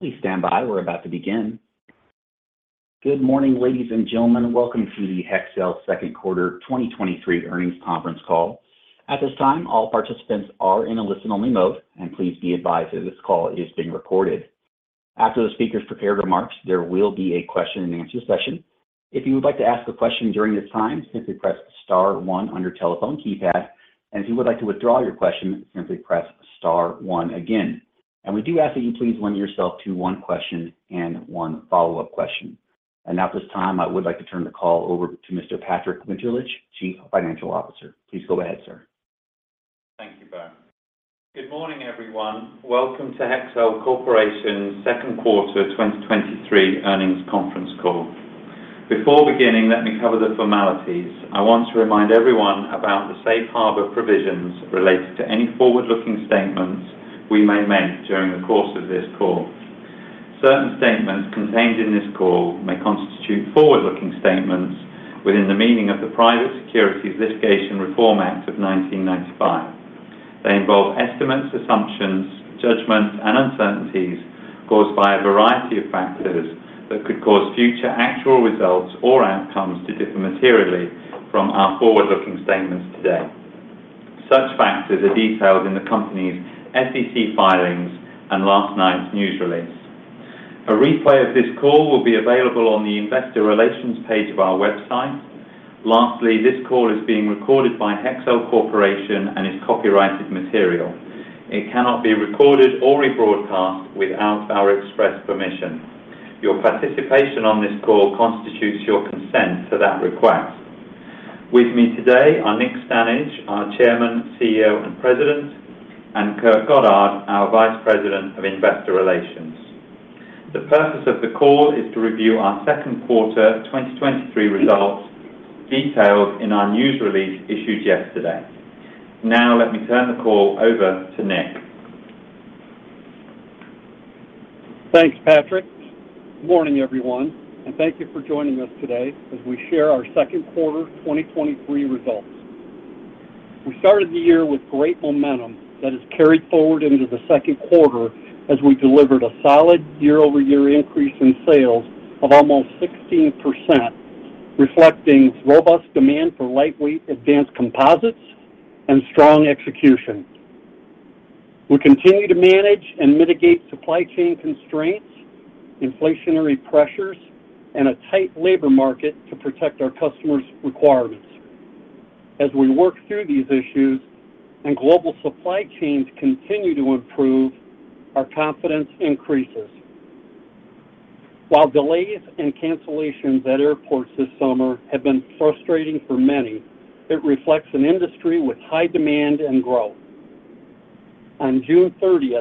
Please stand by. We're about to begin. Good morning, ladies and gentlemen. Welcome to the Hexcel Second Quarter 2023 Earnings Conference Call. At this time, all participants are in a listen-only mode, and please be advised that this call is being recorded. After the speakers prepared remarks, there will be a question-and-answer session. If you would like to ask a question during this time, simply press star one on your telephone keypad, and if you would like to withdraw your question, simply press star one again. We do ask that you please limit yourself to one question and one follow-up question. Now, at this time, I would like to turn the call over to Mr. Patrick Winterlich, Chief Financial Officer. Please go ahead, sir. Thank you, Ben. Good morning, everyone. Welcome to Hexcel Corporation's Second Quarter 2023 Earnings Conference Call. Before beginning, let me cover the formalities. I want to remind everyone about the safe harbor provisions related to any forward-looking statements we may make during the course of this call. Certain statements contained in this call may constitute forward-looking statements within the meaning of the Private Securities Litigation Reform Act of 1995. They involve estimates, assumptions, judgments, and uncertainties caused by a variety of factors that could cause future actual results or outcomes to differ materially from our forward-looking statements today. Such factors are detailed in the company's SEC filings and last night's news release. A replay of this call will be available on the Investor Relations page of our website. Lastly, this call is being recorded by Hexcel Corporation and is copyrighted material. It cannot be recorded or rebroadcast without our express permission. Your participation on this call constitutes your consent to that request. With me today are Nick Stanage, our Chairman, CEO, and President, and Kurt Goddard, our Vice President of Investor Relations. The purpose of the call is to review our second quarter 2023 results, detailed in our news release issued yesterday. Now, let me turn the call over to Nick. Thanks, Patrick. Good morning, everyone, and thank you for joining us today as we share our second quarter 2023 results. We started the year with great momentum that has carried forward into the second quarter as we delivered a solid year-over-year increase in sales of almost 16%, reflecting robust demand for lightweight advanced composites and strong execution. We continue to manage and mitigate supply chain constraints, inflationary pressures, and a tight labor market to protect our customers' requirements. As we work through these issues and global supply chains continue to improve, our confidence increases. While delays and cancellations at airports this summer have been frustrating for many, it reflects an industry with high demand and growth. On June 30,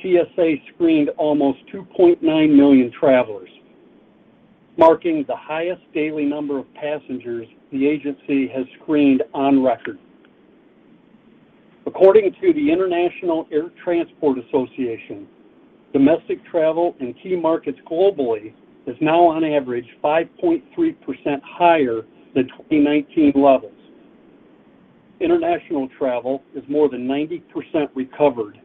TSA screened almost 2.9 million travelers, marking the highest daily number of passengers the agency has screened on record. According to the International Air Transport Association, domestic travel in key markets globally is now on average 5.3% higher than 2019 levels. International travel is more than 90% recovered,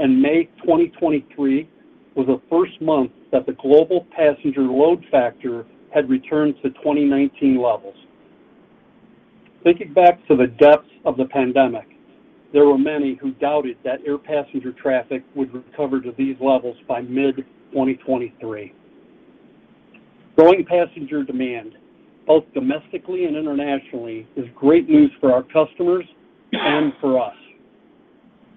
and May 2023 was the first month that the global passenger load factor had returned to 2019 levels. Thinking back to the depths of the pandemic, there were many who doubted that air passenger traffic would recover to these levels by mid-2023. Growing passenger demand, both domestically and internationally, is great news for our customers and for us.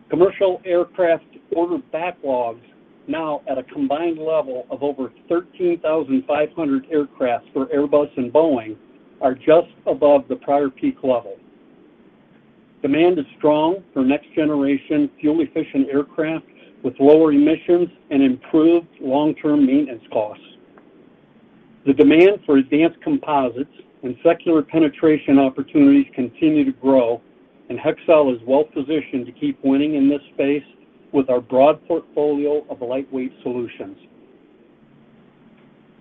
Commercial aircraft order backlogs, now at a combined level of over 13,500 aircraft for Airbus and Boeing, are just above the prior peak level. Demand is strong for next-generation, fuel-efficient aircraft with lower emissions and improved long-term maintenance costs. The demand for advanced composites and secular penetration opportunities continue to grow. Hexcel is well-positioned to keep winning in this space with our broad portfolio of lightweight solutions.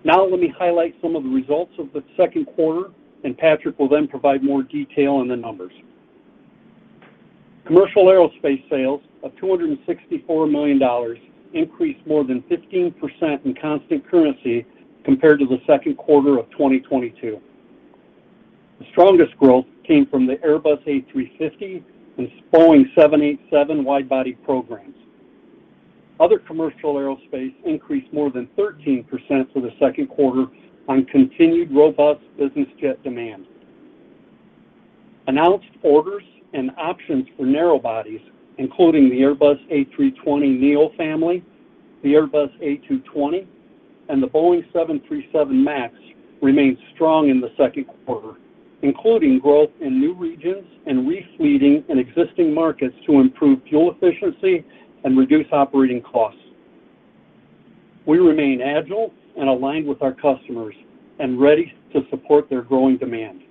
Let me highlight some of the results of the second quarter. Patrick will then provide more detail on the numbers. Commercial aerospace sales of $264 million increased more than 15% in constant currency compared to the second quarter of 2022. The strongest growth came from the Airbus A350 and Boeing 787 wide-body programs. Other commercial aerospace increased more than 13% for the second quarter on continued robust business jet demand. Announced orders and options for narrow bodies, including the Airbus A320neo family, the Airbus A220, and the Boeing 737 MAX, remained strong in the second quarter, including growth in new regions and re-fleeting in existing markets to improve fuel efficiency and reduce operating costs. We remain agile and aligned with our customers and ready to support their growing demand.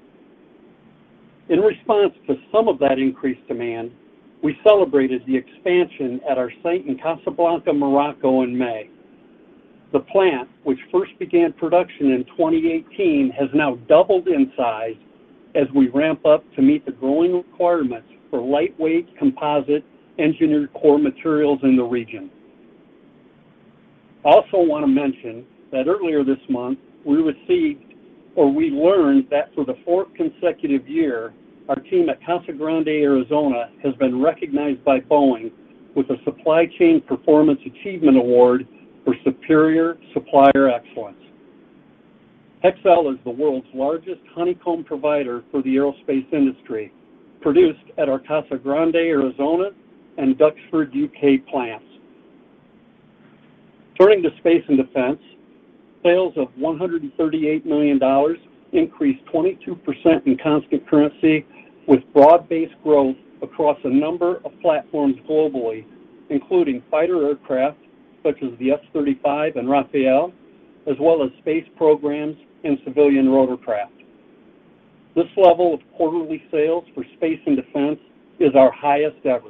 In response to some of that increased demand, we celebrated the expansion at our site in Casablanca, Morocco, in May. The plant, which first began production in 2018, has now doubled in size as we ramp up to meet the growing requirements for lightweight, composite, engineered core materials in the region. I also want to mention that earlier this month, we received, or we learned that for the fourth consecutive year, our team at Casa Grande, Arizona, has been recognized by Boeing with a Supply Chain Performance Achievement Award for Superior Supplier Excellence. Hexcel is the world's largest honeycomb provider for the aerospace industry, produced at our Casa Grande, Arizona, and Duxford, U.K., plants. Turning to space and defense, sales of $138 million increased 22% in constant currency, with broad-based growth across a number of platforms globally, including fighter aircraft, such as the F-35 and Rafale, as well as space programs and civilian rotorcraft. This level of quarterly sales for space and defense is our highest ever.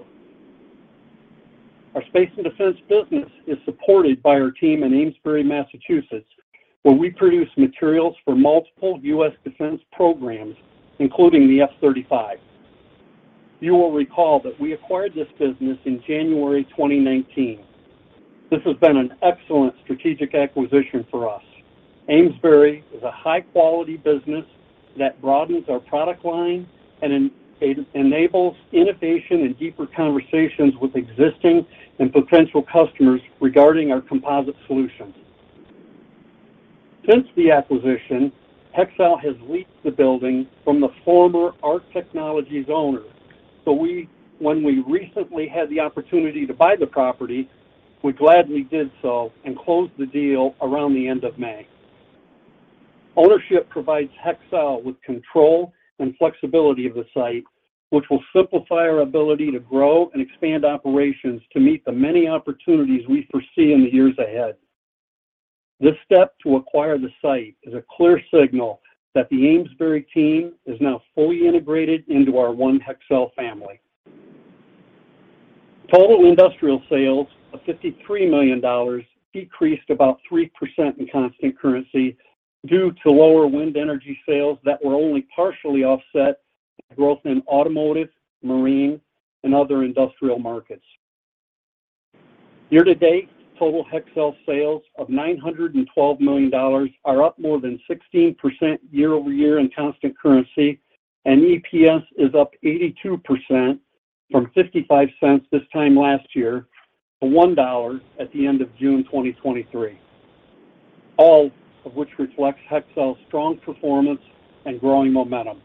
Our space and defense business is supported by our team in Amesbury, Massachusetts, where we produce materials for multiple U.S. defense programs, including the F-35. You will recall that we acquired this business in January 2019. This has been an excellent strategic acquisition for us. Amesbury is a high-quality business that broadens our product line and it enables innovation and deeper conversations with existing and potential customers regarding our composite solutions. Since the acquisition, Hexcel has leased the building from the former ARC Technologies owner. When we recently had the opportunity to buy the property, we gladly did so and closed the deal around the end of May. Ownership provides Hexcel with control and flexibility of the site, which will simplify our ability to grow and expand operations to meet the many opportunities we foresee in the years ahead. This step to acquire the site is a clear signal that the Amesbury team is now fully integrated into our One Hexcel family. Total industrial sales of $53 million decreased about 3% in constant currency due to lower wind energy sales that were only partially offset by growth in automotive, marine, and other industrial markets. Year-to-date, total Hexcel sales of $912 million are up more than 16% year-over-year in constant currency, and EPS is up 82% from $0.55 this time last year to $1 at the end of June 2023, all of which reflects Hexcel's strong performance and growing momentum.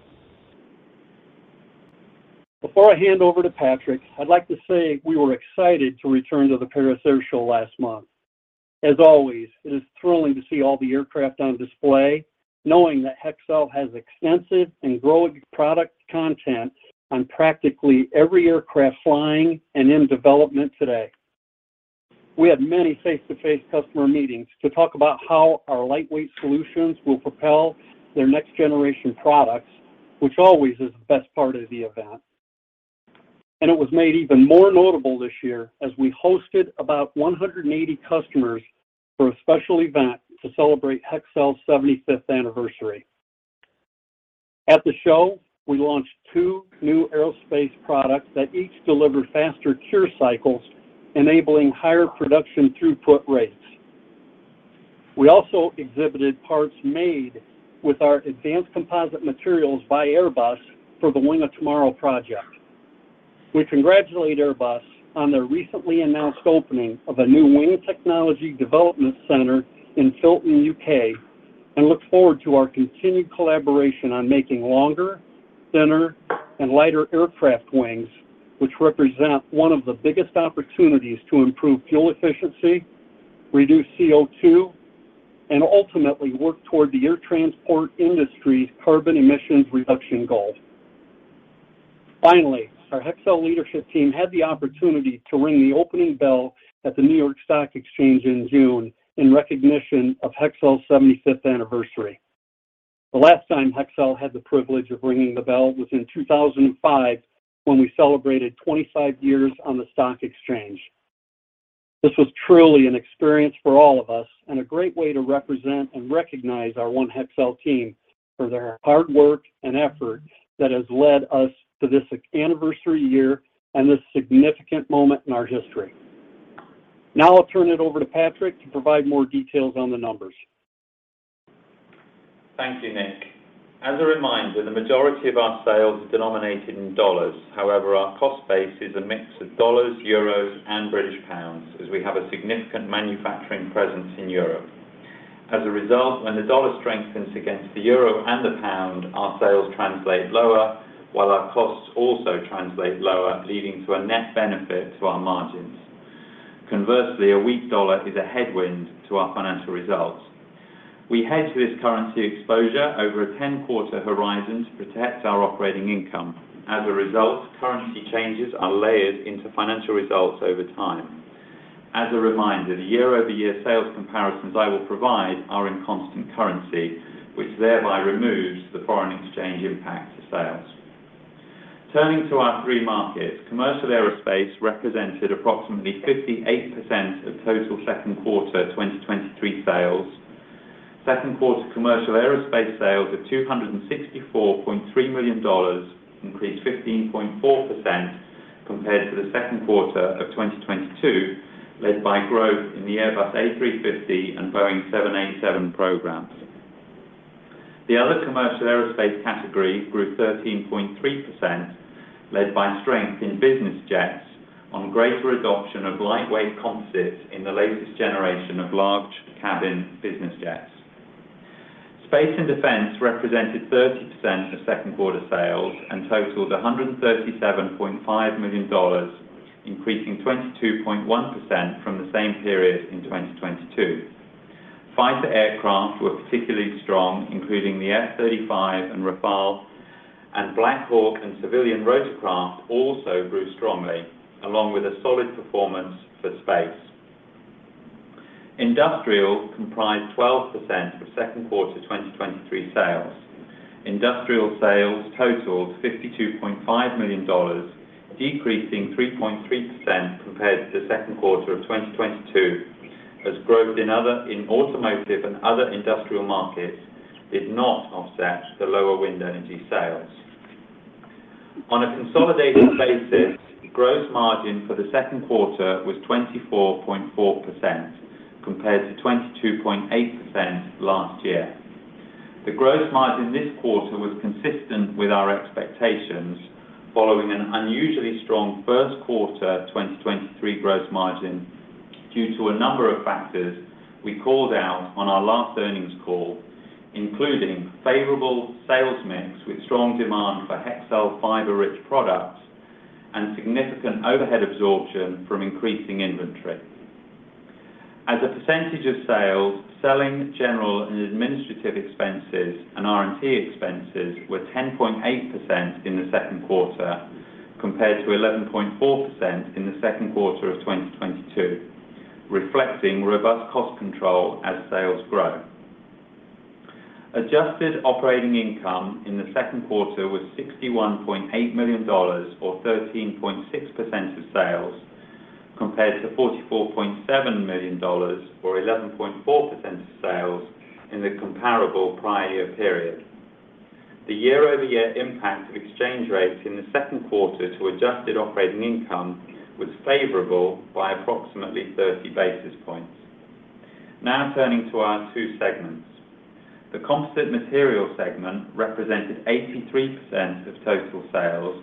Before I hand over to Patrick, I'd like to say we were excited to return to the Paris Air Show last month. As always, it is thrilling to see all the aircraft on display, knowing that Hexcel has extensive and growing product content on practically every aircraft flying and in development today. We had many face-to-face customer meetings to talk about how our lightweight solutions will propel their next-generation products, which always is the best part of the event. It was made even more notable this year as we hosted about 180 customers for a special event to celebrate Hexcel's 75th anniversary. At the show, we launched two new aerospace products that each deliver faster cure cycles, enabling higher production throughput rates. We also exhibited parts made with our advanced composite materials by Airbus for the Wing of Tomorrow project. We congratulate Airbus on their recently announced opening of a new wing technology development center in Filton, U.K., and look forward to our continued collaboration on making longer, thinner, and lighter aircraft wings, which represent one of the biggest opportunities to improve fuel efficiency, reduce CO2, and ultimately work toward the air transport industry's carbon emissions reduction goals. Finally, our Hexcel leadership team had the opportunity to ring the opening bell at the New York Stock Exchange in June in recognition of Hexcel's 75th anniversary. The last time Hexcel had the privilege of ringing the bell was in 2005, when we celebrated 25 years on the stock exchange. This was truly an experience for all of us and a great way to represent and recognize our One Hexcel team for their hard work and effort that has led us to this anniversary year and this significant moment in our history. I'll turn it over to Patrick to provide more details on the numbers. Thank you, Nick. As a reminder, the majority of our sales are denominated in dollars. However, our cost base is a mix of dollars, euros, and British pounds, as we have a significant manufacturing presence in Europe. As a result, when the dollar strengthens against the euro and the pound, our sales translate lower, while our costs also translate lower, leading to a net benefit to our margins. Conversely, a weak dollar is a headwind to our financial results. We hedge this currency exposure over a 10-quarter horizon to protect our operating income. As a result, currency changes are layered into financial results over time. As a reminder, the year-over-year sales comparisons I will provide are in constant currency, which thereby removes the foreign exchange impact to sales. Turning to our three markets, commercial aerospace represented approximately 58% of total second quarter 2023 sales. Second quarter commercial aerospace sales of $264.3 million increased 15.4% compared to the second quarter of 2022, led by growth in the Airbus A350 and Boeing 787 programs. The other commercial aerospace category grew 13.3%, led by strength in business jets on greater adoption of lightweight composites in the latest generation of large cabin business jets. Space and defense represented 30% of second quarter sales and totaled $137.5 million, increasing 22.1% from the same period in 2022. Fighter aircraft were particularly strong, including the F-35 and Rafale, and Black Hawk and civilian rotorcraft also grew strongly, along with a solid performance for space. Industrial comprised 12% of second quarter 2023 sales. Industrial sales totaled $52.5 million, decreasing 3.3% compared to the second quarter of 2022, as growth in automotive and other industrial markets did not offset the lower wind energy sales. On a consolidated basis, gross margin for the second quarter was 24.4% compared to 22.8% last year. The gross margin this quarter was consistent with our expectations, following an unusually strong first quarter 2023 gross margin due to a number of factors we called out on our last earnings call, including favorable sales mix with strong demand for Hexcel fiber-rich products and significant overhead absorption from increasing inventory. As a percentage of sales, selling, general and administrative expenses and R&D expenses were 10.8% in the second quarter, compared to 11.4% in the second quarter of 2022, reflecting robust cost control as sales grow. Adjusted operating income in the second quarter was $61.8 million, or 13.6% of sales, compared to $44.7 million, or 11.4% of sales in the comparable prior year period. The year-over-year impact of exchange rates in the second quarter to adjusted operating income was favorable by approximately 30 basis points. Turning to our two segments. The Composite Materials segment represented 83% of total sales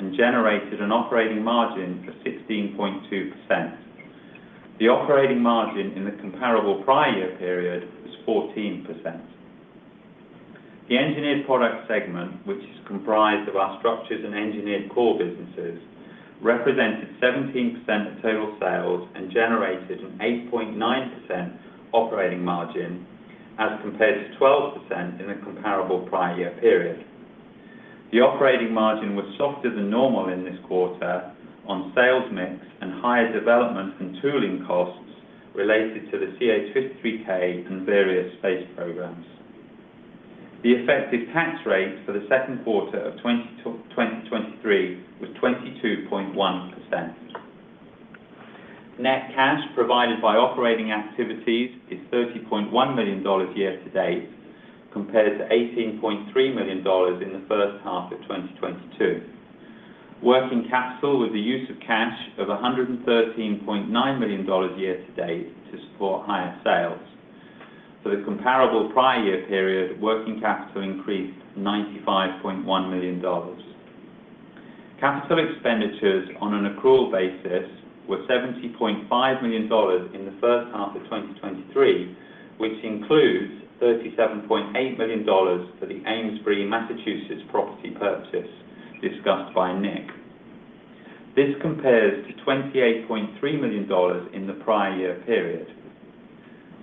and generated an operating margin of 16.2%. The operating margin in the comparable prior year period was 14%. The Engineered Products segment, which is comprised of our structures and engineered core businesses, represented 17% of total sales and generated an 8.9% operating margin, as compared to 12% in the comparable prior year period. The operating margin was softer than normal in this quarter on sales mix and higher development and tooling costs related to the CH-53K and various space programs. The effective tax rate for the second quarter of 2023 was 22.1%. Net cash provided by operating activities is $30.1 million year to date, compared to $18.3 million in the first half of 2022. Working capital with the use of cash of $113.9 million year to date to support higher sales. For the comparable prior year period, working capital increased $95.1 million. Capital expenditures on an accrual basis were $70.5 million in the first half of 2023, which includes $37.8 million for the Amesbury, Massachusetts, property purchase discussed by Nick. This compares to $28.3 million in the prior year period.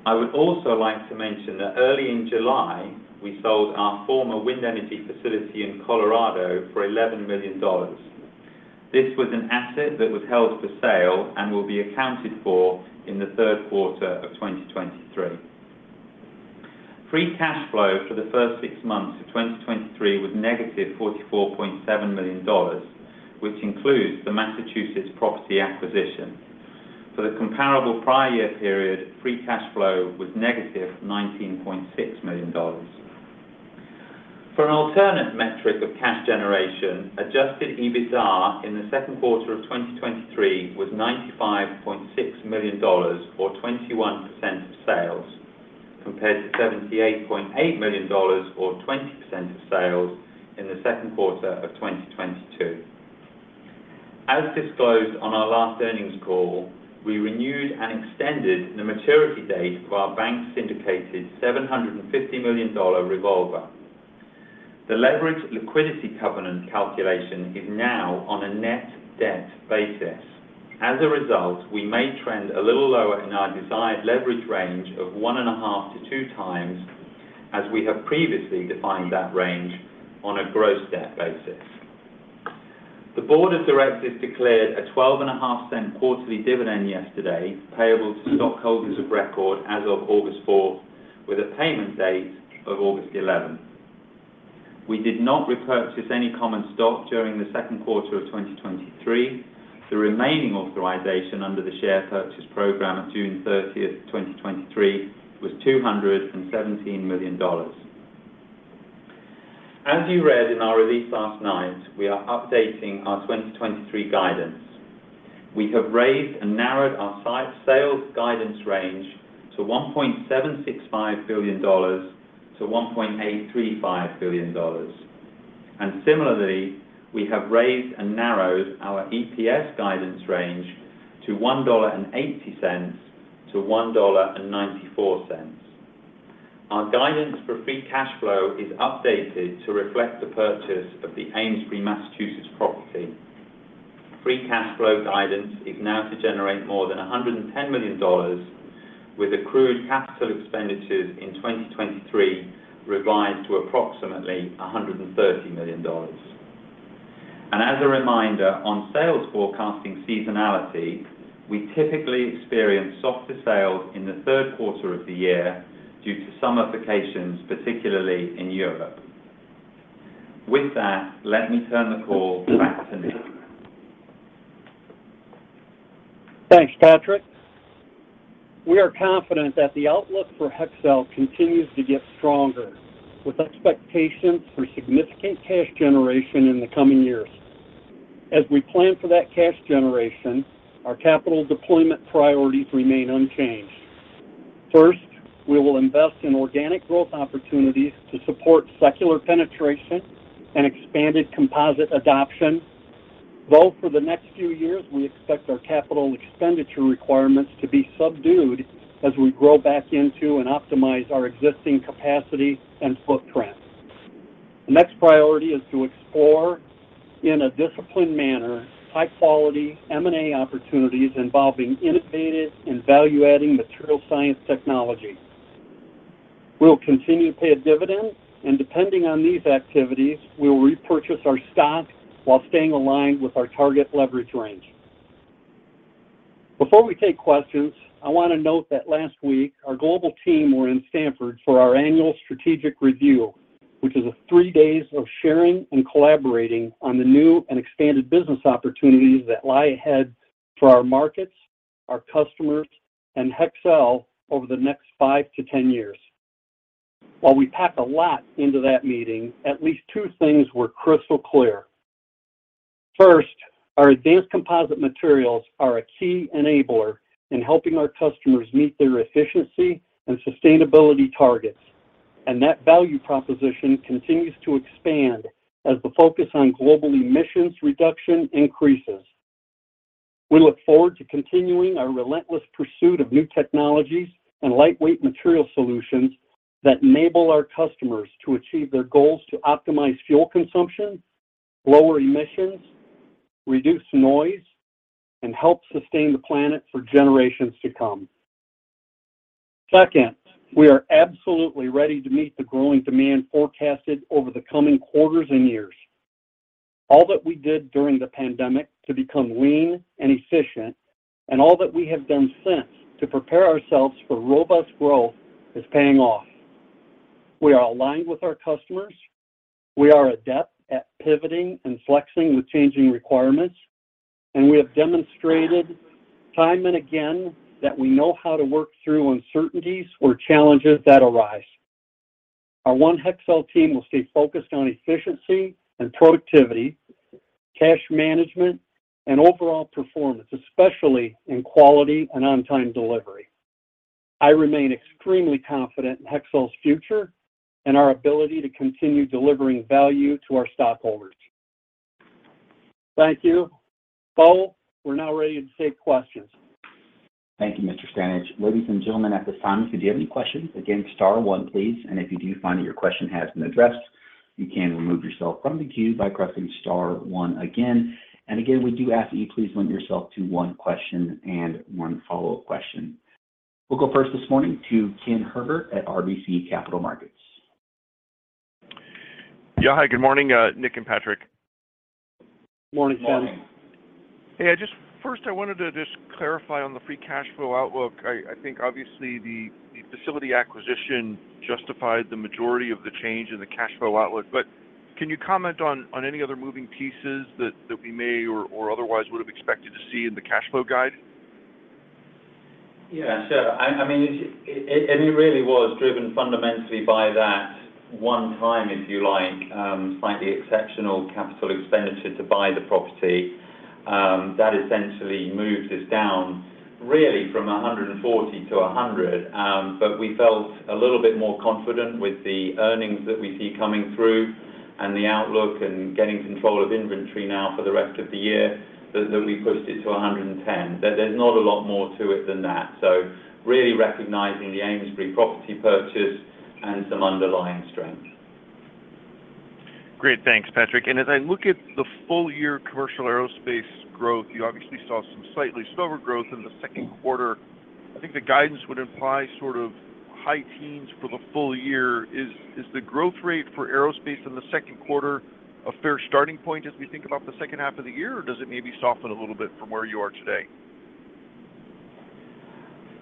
I would also like to mention that early in July, we sold our former wind energy facility in Colorado for $11 million. This was an asset that was held for sale and will be accounted for in the third quarter of 2023. Free cash flow for the first six months of 2023 was negative $44.7 million, which includes the Massachusetts property acquisition. For the comparable prior year period, free cash flow was negative $19.6 million. For an alternate metric of cash generation, adjusted EBITDA in the second quarter of 2023 was $95.6 million, or 21% of sales, compared to $78.8 million, or 20% of sales, in the second quarter of 2022. As disclosed on our last earnings call, we renewed and extended the maturity date of our bank's syndicated $750 million revolver. The leverage liquidity covenant calculation is now on a net debt basis. A result, we may trend a little lower in our desired leverage range of 1.5 to 2 times, as we have previously defined that range on a gross debt basis. The Board of Directors declared a 12.5-cent quarterly dividend yesterday, payable to stockholders of record as of August 4, with a payment date of August 11. We did not repurchase any common stock during the second quarter of 2023. The remaining authorization under the share purchase program at June 30th, 2023, was $217 million. As you read in our release last night, we are updating our 2023 guidance. We have raised and narrowed our sales guidance range to $1.765 billion-$1.835 billion. Similarly, we have raised and narrowed our EPS guidance range to $1.80-$1.94. Our guidance for free cash flow is updated to reflect the purchase of the Amesbury, Massachusetts, property. Free cash flow guidance is now to generate more than $110 million, with accrued capital expenditures in 2023 revised to approximately $130 million. As a reminder, on sales forecasting seasonality, we typically experience softer sales in the third quarter of the year due to summer vacations, particularly in Europe. With that, let me turn the call back to Nick. Thanks, Patrick. We are confident that the outlook for Hexcel continues to get stronger, with expectations for significant cash generation in the coming years. We plan for that cash generation, our capital deployment priorities remain unchanged. First, we will invest in organic growth opportunities to support secular penetration and expanded composite adoption, though for the next few years, we expect our capital expenditure requirements to be subdued as we grow back into and optimize our existing capacity and footprint. The next priority is to explore, in a disciplined manner, high-quality M&A opportunities involving innovative and value-adding material science technology. We'll continue to pay a dividend. Depending on these activities, we will repurchase our stock while staying aligned with our target leverage range. Before we take questions, I want to note that last week, our global team were in Stamford for our annual strategic review, which is a three days of sharing and collaborating on the new and expanded business opportunities that lie ahead for our markets, our customers, and Hexcel over the next 5 to 10 years. While we packed a lot into that meeting, at least two things were crystal clear. First, our advanced composite materials are a key enabler in helping our customers meet their efficiency and sustainability targets, and that value proposition continues to expand as the focus on global emissions reduction increases. We look forward to continuing our relentless pursuit of new technologies and lightweight material solutions that enable our customers to achieve their goals to optimize fuel consumption, lower emissions, reduce noise, and help sustain the planet for generations to come. Second, we are absolutely ready to meet the growing demand forecasted over the coming quarters and years. All that we did during the pandemic to become lean and efficient, and all that we have done since to prepare ourselves for robust growth, is paying off. We are aligned with our customers, we are adept at pivoting and flexing with changing requirements, and we have demonstrated time and again that we know how to work through uncertainties or challenges that arise. Our One Hexcel team will stay focused on efficiency and productivity, cash management, and overall performance, especially in quality and on-time delivery. I remain extremely confident in Hexcel's future and our ability to continue delivering value to our stockholders. Thank you. Bo, we're now ready to take questions. Thank you, Mr. Stanage. Ladies and gentlemen, at this time, if you have any questions, again, star one, please. If you do find that your question has been addressed, you can remove yourself from the queue by pressing star one again. Again, we do ask that you please limit yourself to one question and one follow-up question. We'll go first this morning to Ken Herbert at RBC Capital Markets. Yeah. Hi, good morning, Nick and Patrick. Morning, Ken. Morning. Hey, first, I wanted to just clarify on the free cash flow outlook. I think obviously the facility acquisition justified the majority of the change in the cash flow outlook. Can you comment on any other moving pieces that we may or otherwise would have expected to see in the cash flow guide? Yeah, sure. I mean, it really was driven fundamentally by that one time, if you like, slightly exceptional capital expenditure to buy the property. That essentially moves us down really from 140 to 100. We felt a little bit more confident with the earnings that we see coming through and the outlook and getting control of inventory now for the rest of the year, that we pushed it to 110. There's not a lot more to it than that. Really recognizing the Amesbury property purchase and some underlying strength. Great. Thanks, Patrick. As I look at the full year commercial aerospace growth, you obviously saw some slightly slower growth in the second quarter. I think the guidance would imply sort of high teens for the full year. Is the growth rate for aerospace in the second quarter a fair starting point as we think about the second half of the year? Does it maybe soften a little bit from where you are today?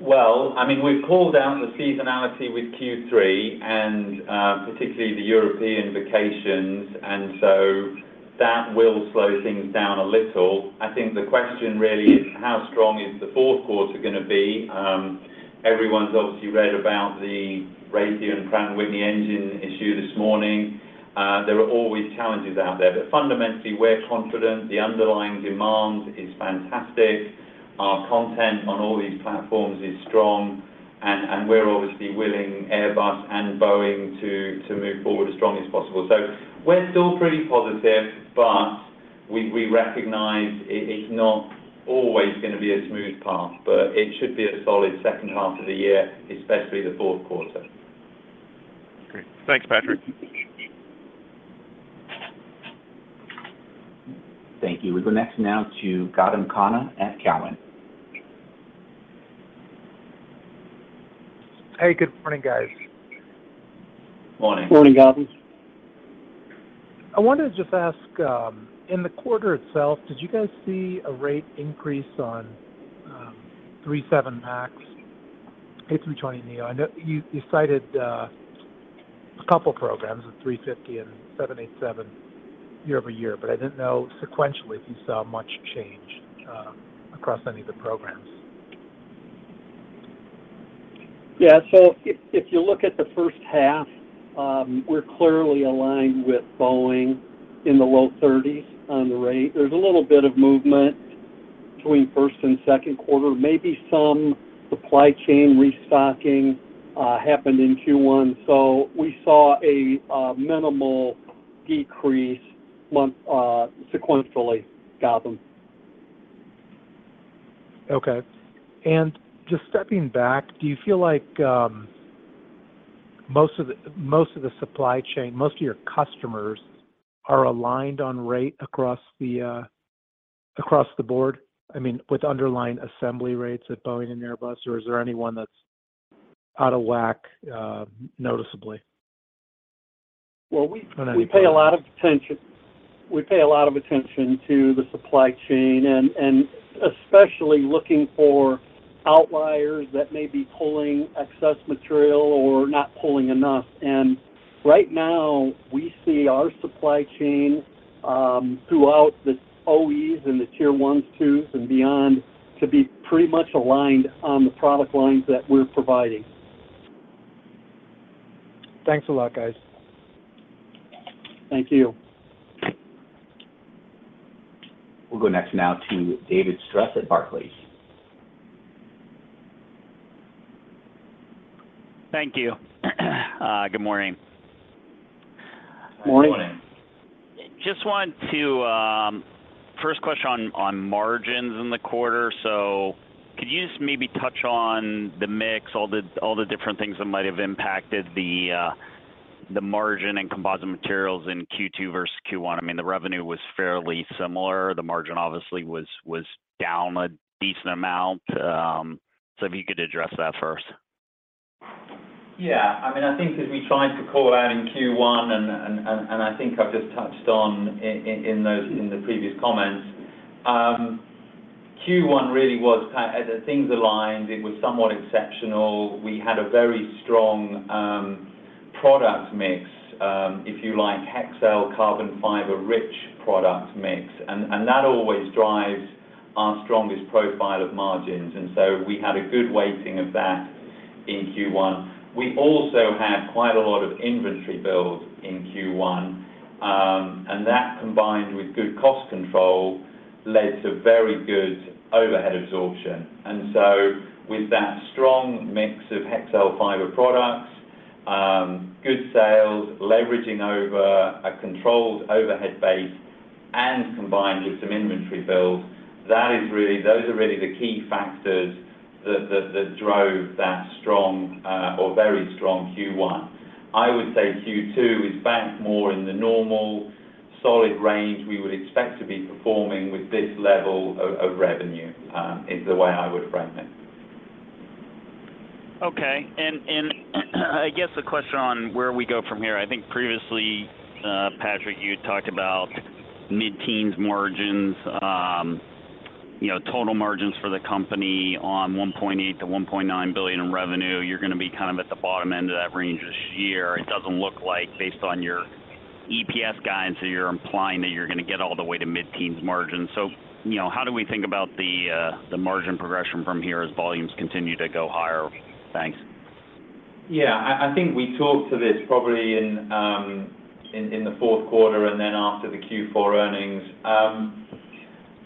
I mean, we've pulled down the seasonality with Q3, and, particularly the European vacations, that will slow things down a little. I think the question really is, how strong is the fourth quarter going to be? Everyone's obviously read about the Raytheon Pratt & Whitney engine issue this morning. There are always challenges out there, but fundamentally, we're confident the underlying demand is fantastic. Our content on all these platforms is strong, and we're obviously willing Airbus and Boeing to move forward as strongly as possible. We're still pretty positive, but we recognize it's not always going to be a smooth path, but it should be a solid second half of the year, especially the fourth quarter. Great. Thanks, Patrick. Thank you. We go next now to Gautam Khanna at Cowen. Hey, good morning, guys. Morning. Morning, Gautam. I wanted to just ask, in the quarter itself, did you guys see a rate increase on, 737 MAX, A320neo? I know you cited, a couple programs, the A350 and 787 year-over-year, but I didn't know sequentially if you saw much change, across any of the programs. If you look at the first half, we're clearly aligned with Boeing in the low 30s on the rate. There's a little bit of movement between first and second quarter. Maybe some supply chain restocking happened in Q1. We saw a minimal decrease month sequentially, Gautam. Okay. Just stepping back, do you feel like, most of the, most of the supply chain, most of your customers are aligned on rate across the, across the board, I mean, with underlying assembly rates at Boeing and Airbus, or is there anyone that's out of whack, noticeably? Well, And then- We pay a lot of attention to the supply chain and especially looking for outliers that may be pulling excess material or not pulling enough. Right now, we see our supply chain throughout the OEMs and the tier one, twos, and beyond, to be pretty much aligned on the product lines that we're providing. Thanks a lot, guys. Thank you. We'll go next now to David Strauss at Barclays. Thank you. Good morning. Morning. Morning. First question on margins in the quarter. Could you just maybe touch on the mix, all the different things that might have impacted the margin and Composite Materials in Q2 versus Q1? I mean, the revenue was fairly similar. The margin, obviously, was down a decent amount. If you could address that first. Yeah. I mean, I think as we tried to call out in Q1, and I think I've just touched on in those, in the previous comments. Q1 really was. As things aligned, it was somewhat exceptional. We had a very strong product mix, if you like, Hexcel carbon fiber-rich product mix, and that always drives our strongest profile of margins, and so we had a good weighting of that in Q1. We also had quite a lot of inventory build in Q1, and that, combined with good cost control, led to very good overhead absorption. With that strong mix of Hexcel fiber products, good sales, leveraging over a controlled overhead base, and combined with some inventory builds, those are really the key factors that drove that strong or very strong Q1. I would say Q2 is back more in the normal solid range we would expect to be performing with this level of revenue, is the way I would frame it. Okay. I guess the question on where we go from here, I think previously, Patrick, you talked about mid-teens margins, you know, total margins for the company on $1.8 billion-$1.9 billion in revenue. You're going to be kind of at the bottom end of that range this year. It doesn't look like, based on your EPS guidance, that you're implying that you're going to get all the way to mid-teens margins. You know, how do we think about the margin progression from here as volumes continue to go higher? Thanks. Yeah. I think we talked to this probably in the fourth quarter and then after the Q4 earnings.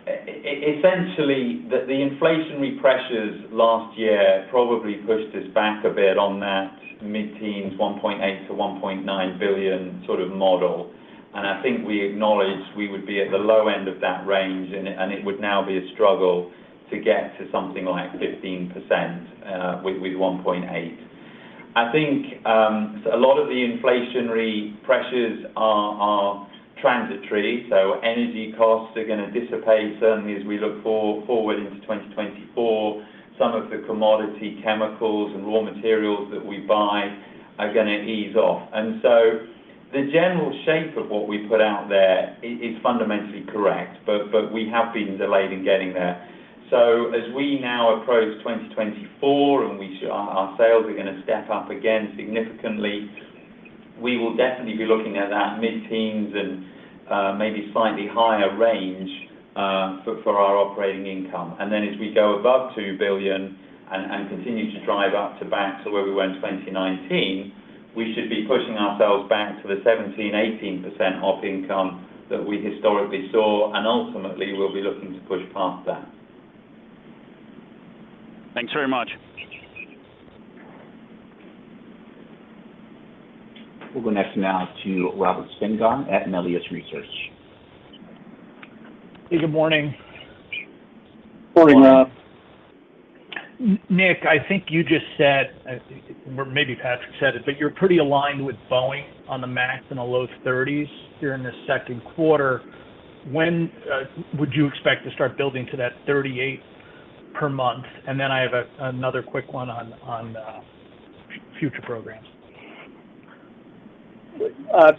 Essentially, the inflationary pressures last year probably pushed us back a bit on that mid-teens, $1.8 billion-$1.9 billion sort of model. I think we acknowledged we would be at the low end of that range, and it would now be a struggle to get to something like 15%, with $1.8 billion.... I think, a lot of the inflationary pressures are transitory, energy costs are gonna dissipate certainly as we look forward into 2024. Some of the commodity chemicals and raw materials that we buy are gonna ease off. The general shape of what we put out there is fundamentally correct, but we have been delayed in getting there. As we now approach 2024, and we see our sales are gonna step up again significantly, we will definitely be looking at that mid-teens and maybe slightly higher range for our operating income. As we go above $2 billion and continue to drive up to back to where we were in 2019, we should be pushing ourselves back to the 17%-18% OP income that we historically saw, and ultimately, we'll be looking to push past that. Thanks very much. We'll go next now to Robert Spingarn at Melius Research. Good morning. Morning, Rob. Nick, I think you just said, or maybe Patrick said it, but you're pretty aligned with Boeing on the MAX in the low 30s during this second quarter. When would you expect to start building to that 38 per month? I have another quick one on future programs.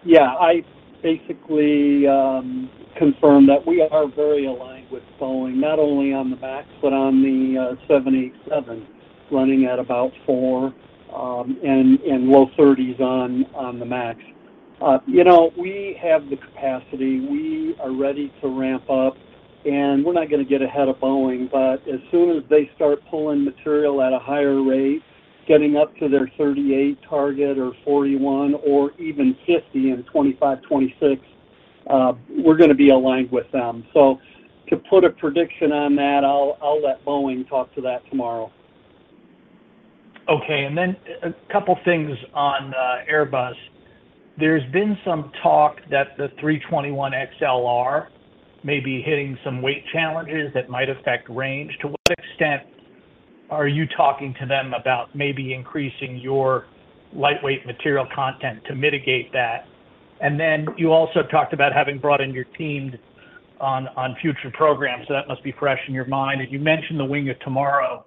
Yeah, I basically confirm that we are very aligned with Boeing, not only on the MAX, but on the 787, running at about 4, and low 30s on the MAX. You know, we have the capacity. We are ready to ramp up, we're not going to get ahead of Boeing, but as soon as they start pulling material at a higher rate, getting up to their 38 target or 41 or even 50 in 2025, 2026, we're going to be aligned with them. To put a prediction on that, I'll let Boeing talk to that tomorrow. Okay, a couple things on Airbus. There's been some talk that the A321XLR may be hitting some weight challenges that might affect range. To what extent are you talking to them about maybe increasing your lightweight material content to mitigate that? You also talked about having brought in your team on future programs, so that must be fresh in your mind. You mentioned the Wing of Tomorrow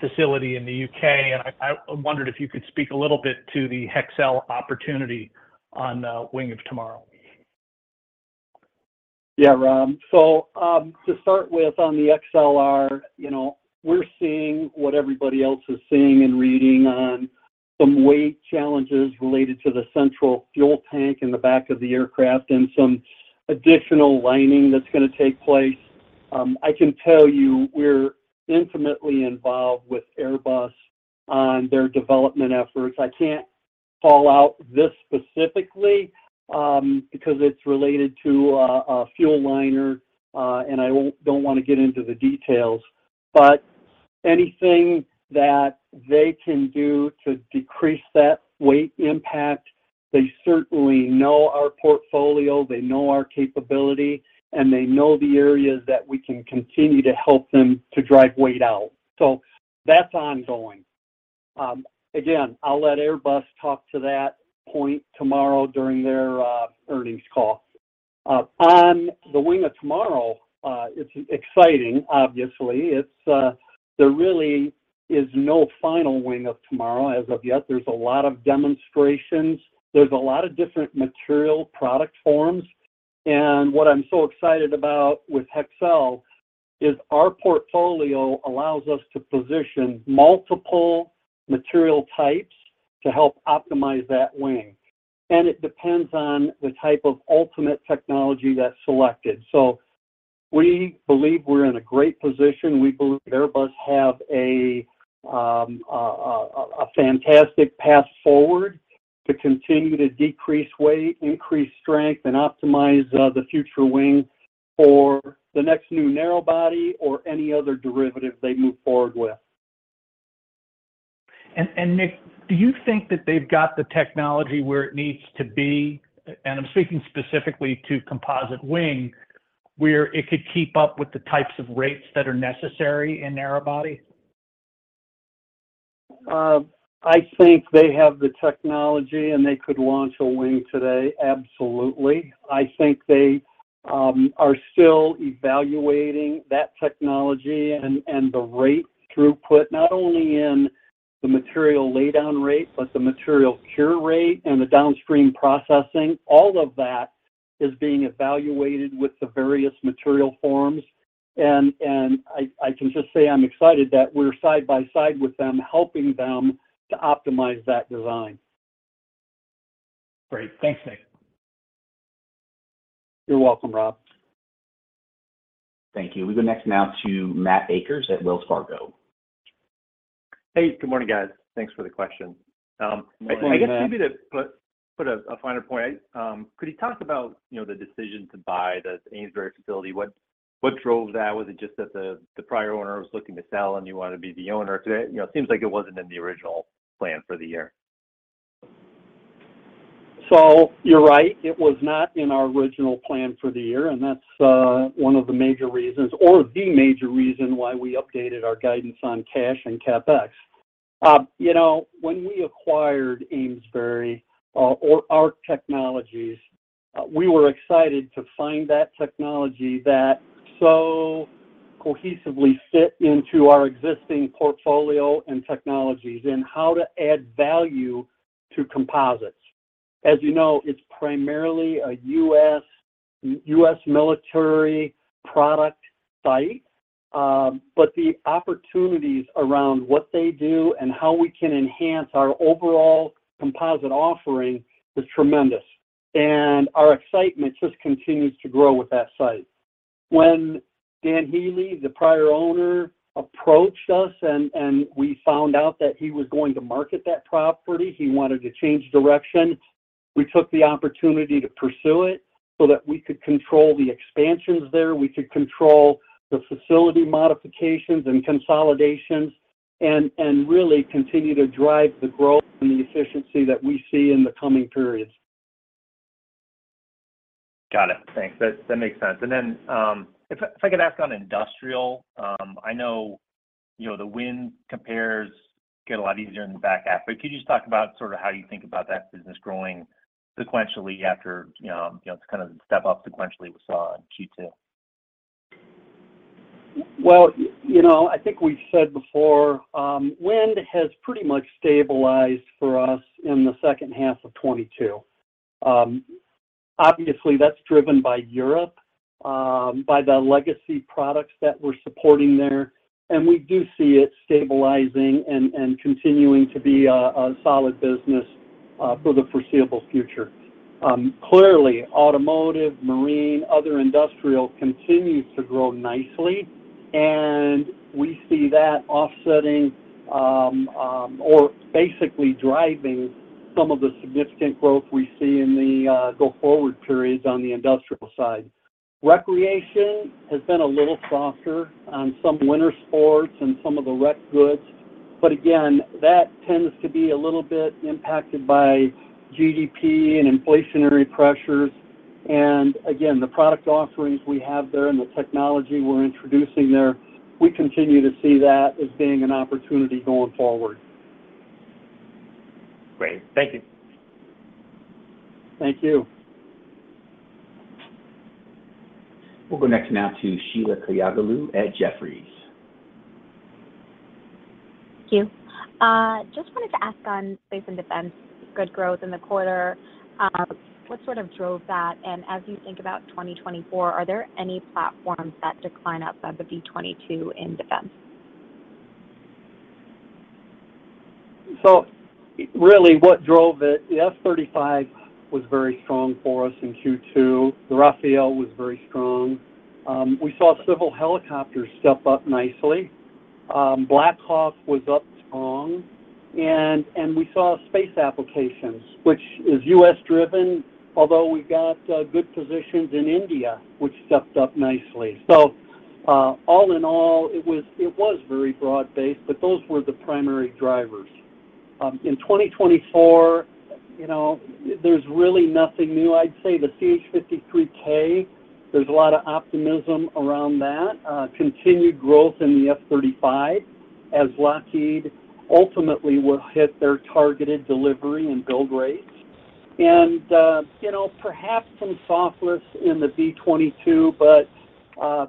facility in the U.K., and I wondered if you could speak a little bit to the Hexcel opportunity on Wing of Tomorrow. Rob. To start with, on the XLR, you know, we're seeing what everybody else is seeing and reading on some weight challenges related to the central fuel tank in the back of the aircraft and some additional lining that's gonna take place. I can tell you we're intimately involved with Airbus on their development efforts. I can't call out this specifically, because it's related to a fuel liner, and I don't wanna get into the details, but anything that they can do to decrease that weight impact, they certainly know our portfolio, they know our capability, and they know the areas that we can continue to help them to drive weight out, so that's ongoing. Again, I'll let Airbus talk to that point tomorrow during their earnings call. On the Wing of Tomorrow, it's exciting, obviously. There really is no final Wing of Tomorrow as of yet. There's a lot of demonstrations. There's a lot of different material product forms. What I'm so excited about with Hexcel is our portfolio allows us to position multiple material types to help optimize that wing. It depends on the type of ultimate technology that's selected. We believe we're in a great position. We believe Airbus have a fantastic path forward to continue to decrease weight, increase strength, and optimize the future wing for the next new narrow body or any other derivative they move forward with. Nick, do you think that they've got the technology where it needs to be, and I'm speaking specifically to composite wing, where it could keep up with the types of rates that are necessary in narrow body? I think they have the technology, they could launch a wing today, absolutely. I think they are still evaluating that technology and the rate throughput, not only in the material laydown rate, but the material cure rate and the downstream processing. All of that is being evaluated with the various material forms, and I can just say I'm excited that we're side by side with them, helping them to optimize that design. Great. Thanks, Nick. You're welcome, Rob. Thank you. We go next now to Matt Acres at Wells Fargo. Hey, good morning, guys. Thanks for the question. Good morning, Matt. I guess maybe to put a finer point, could you talk about, you know, the decision to buy the Amesbury facility? What drove that? Was it just that the prior owner was looking to sell, and you wanted to be the owner today? You know, it seems like it wasn't in the original plan for the year. You're right, it was not in our original plan for the year, and that's one of the major reasons, or the major reason why we updated our guidance on cash and CapEx. You know, when we acquired Amesbury, or ARC Technologies, we were excited to find that technology that so cohesively fit into our existing portfolio and technologies and how to add value to composites. As you know, it's primarily a U.S., U.S. military product site. The opportunities around what they do and how we can enhance our overall composite offering is tremendous, and our excitement just continues to grow with that site. When Dan Healey, the prior owner, approached us and we found out that he was going to market that property, he wanted to change direction, we took the opportunity to pursue it so that we could control the expansions there, we could control the facility modifications and consolidations, and really continue to drive the growth and the efficiency that we see in the coming periods. Got it. Thanks. That makes sense. If I could ask on industrial, I know, the wind compares get a lot easier in the back half, but could you just talk about sort of how you think about that business growing sequentially after, you know, to kind of step up sequentially we saw in Q2? Well, you know, I think we've said before, wind has pretty much stabilized for us in the second half of 2022. Obviously, that's driven by Europe, by the legacy products that we're supporting there. We do see it stabilizing and continuing to be a solid business for the foreseeable future. Clearly, automotive, marine, other industrial continues to grow nicely, and we see that offsetting, or basically driving some of the significant growth we see in the go-forward periods on the industrial side. Recreation has been a little softer on some winter sports and some of the rec goods, but again, that tends to be a little bit impacted by GDP and inflationary pressures. Again, the product offerings we have there and the technology we're introducing there, we continue to see that as being an opportunity going forward. Great. Thank you. Thank you. We'll go next now to Sheila Kahyaoglu at Jefferies. Thank you. Just wanted to ask on space and defense, good growth in the quarter. What sort of drove that? As you think about 2024, are there any platforms that decline outside the V-22 in defense? Really, what drove it, the F-35 was very strong for us in Q2. The Rafale was very strong. We saw civil helicopters step up nicely. Black Hawk was up strong, and we saw space applications, which is U.S.-driven, although we've got good positions in India, which stepped up nicely. All in all, it was very broad-based, but those were the primary drivers. In 2024, you know, there's really nothing new. I'd say the CH-53K, there's a lot of optimism around that. Continued growth in the F-35, as Lockheed ultimately will hit their targeted delivery and build rates. You know, perhaps some softness in the V-22, but,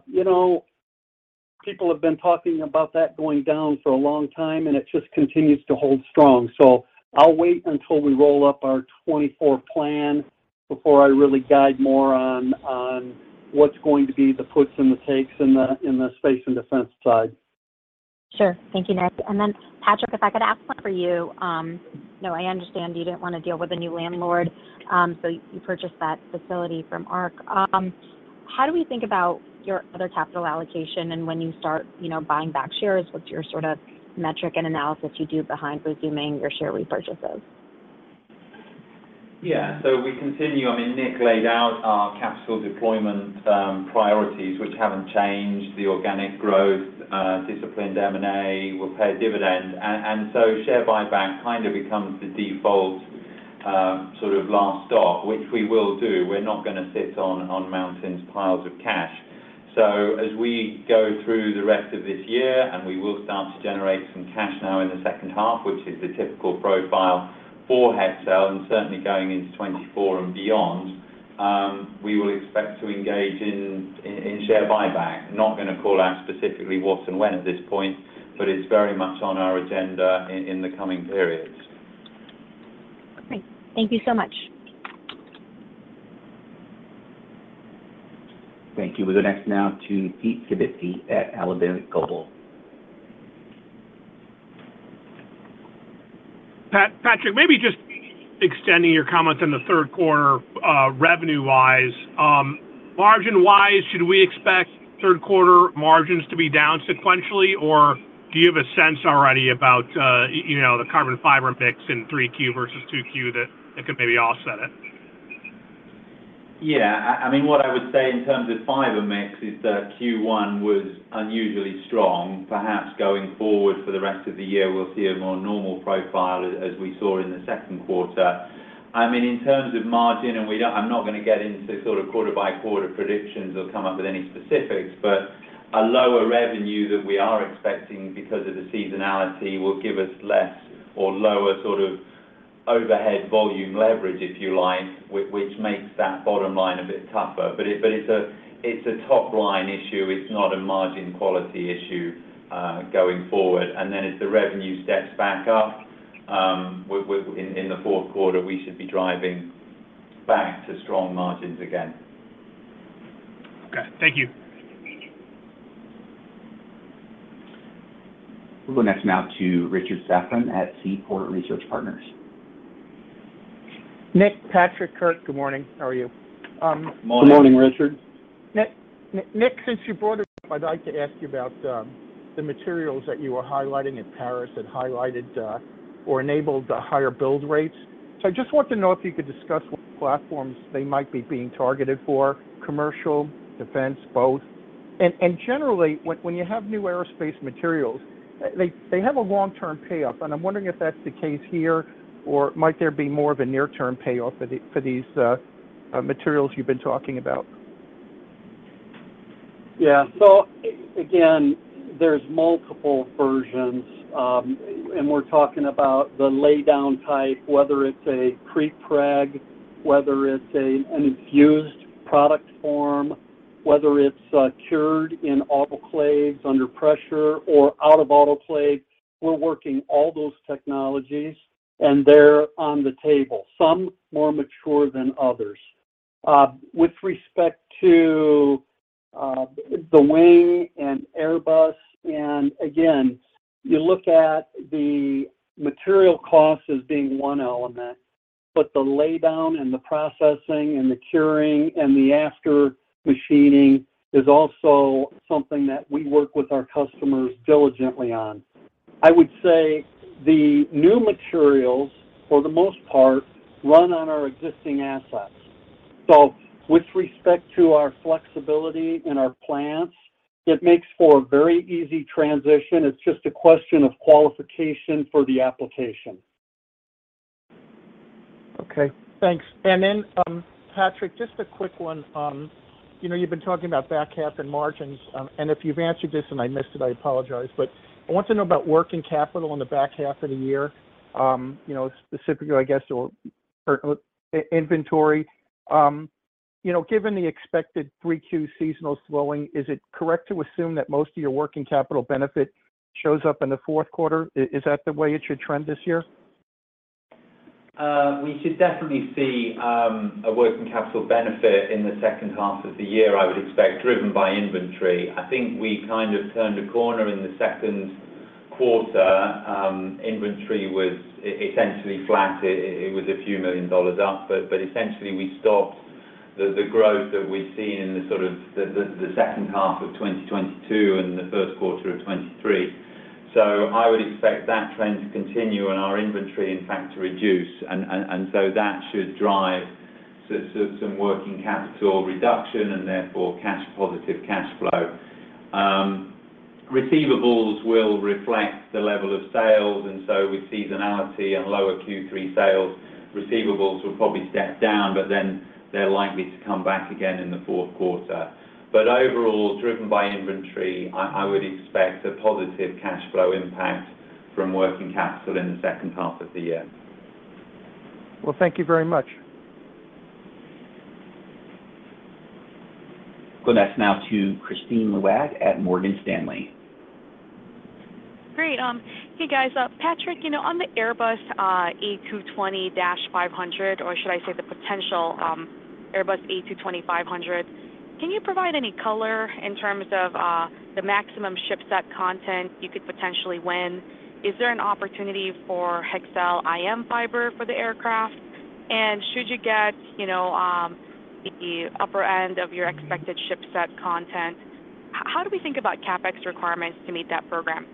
you know, people have been talking about that going down for a long time, and it just continues to hold strong. I'll wait until we roll up our 2024 plan before I really guide more on what's going to be the puts and the takes in the, in the space and defense side. Sure. Thank you, Nick. Patrick, if I could ask one for you. I know, I understand you didn't want to deal with a new landlord, so you purchased that facility from ARC. How do we think about your other capital allocation and when you start, you know, buying back shares, what's your sort of metric and analysis you do behind resuming your share repurchases? Yeah. I mean, Nick laid out our capital deployment priorities, which haven't changed: the organic growth, disciplined M&A, we'll pay a dividend. Share buyback kind of becomes the default sort of last stock, which we will do. We're not going to sit on mountains, piles of cash. As we go through the rest of this year, and we will start to generate some cash now in the second half, which is the typical profile for Hexcel, and certainly going into 2024 and beyond, we will expect to engage in share buyback. Not going to call out specifically what and when at this point, but it's very much on our agenda in the coming periods. Great. Thank you so much. Thank you. We'll go next now to Pete Skibitski at Alembic Global. Patrick, maybe just extending your comments on the third quarter, revenue-wise, margin-wise, should we expect third quarter margins to be down sequentially, or do you have a sense already about, you know, the carbon fiber mix in three Q versus two Q that could maybe offset it? ... I mean, what I would say in terms of fiber mix is that Q1 was unusually strong. Perhaps going forward for the rest of the year, we'll see a more normal profile as we saw in the second quarter. I mean, in terms of margin, I'm not gonna get into sort of quarter-by-quarter predictions or come up with any specifics, but a lower revenue that we are expecting because of the seasonality will give us less or lower sort of overhead volume leverage, if you like, which makes that bottom line a bit tougher. But it's a top-line issue, it's not a margin quality issue going forward. As the revenue steps back up, in the fourth quarter, we should be driving back to strong margins again. Okay. Thank you. We'll go next now to Richard Safran at Seaport Research Partners. Nick, Patrick, Kirk, good morning. How are you? Good morning. Good morning, Richard. Nick, since you brought it up, I'd like to ask you about the materials that you were highlighting in Paris that highlighted or enabled the higher build rates. I just want to know if you could discuss what platforms they might be being targeted for, commercial, defense, both? Generally, when you have new aerospace materials, they have a long-term payoff, and I'm wondering if that's the case here, or might there be more of a near-term payoff for these materials you've been talking about? Yeah. Again, there's multiple versions, and we're talking about the laydown type, whether it's a prepreg, whether it's an infused product form, whether it's cured in autoclaves under pressure or out of autoclave. We're working all those technologies, and they're on the table, some more mature than others. With respect to the wing and Airbus, and again, you look at the material cost as being one element, but the laydown and the processing and the curing and the after machining is also something that we work with our customers diligently on. I would say the new materials, for the most part, run on our existing assets. With respect to our flexibility and our plants, it makes for a very easy transition. It's just a question of qualification for the application. Okay, thanks. Then, Patrick, just a quick one. You know, you've been talking about back half and margins, and if you've answered this and I missed it, I apologize, but I want to know about working capital in the back half of the year. You know, specifically, I guess, or, inventory. You know, given the expected Q3 seasonal slowing, is it correct to assume that most of your working capital benefit shows up in the Q4? Is that the way it should trend this year? We should definitely see a working capital benefit in the second half of the year, I would expect, driven by inventory. I think we kind of turned a corner in the second quarter. Inventory was essentially flat. It was a few million dollars up, but essentially, we stopped the growth that we've seen in the sort of the second half of 2022 and the first quarter of 2023. I would expect that trend to continue and our inventory, in fact, to reduce. That should drive some working capital reduction and therefore, positive cash flow. Receivables will reflect the level of sales. With seasonality and lower Q3 sales, receivables will probably step down. They're likely to come back again in the fourth quarter. Overall, driven by inventory, I would expect a positive cash flow impact from working capital in the second half of the year. Well, thank you very much. Go next now to Kristine Liwag at Morgan Stanley. Great. Hey, guys. Patrick, you know, on the Airbus A220-500, or should I say the potential Airbus A220-500, can you provide any color in terms of the maximum shipset content you could potentially win? Is there an opportunity for Hexcel IM fiber for the aircraft? Should you get, you know, the upper end of your expected shipset content, how do we think about CapEx requirements to meet that program?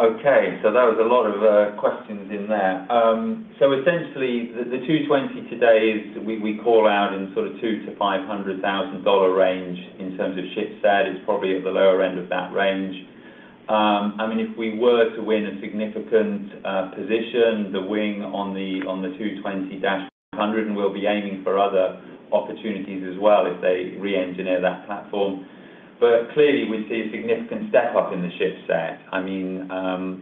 Okay, there was a lot of questions in there. Essentially, the A220 today is we call out in sort of $200,000-$500,000 range in terms of shipset. It's probably at the lower end of that range. I mean, if we were to win a significant position, the wing on the A220-100, and we'll be aiming for other opportunities as well, if they re-engineer that platform. Clearly, we see a significant step up in the shipset, I mean,